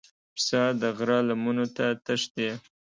پسه د غره لمنو ته تښتي.